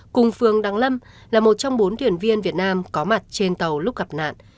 cùng phương đăng lâm là một trong bốn thuyền viên việt nam có mặt trên tàu lúc gặp nạn